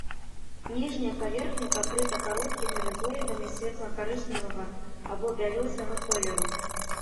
Ніжняя паверхня пакрыта кароткімі рызоідамі, светла-карычневага або бялёсага колеру.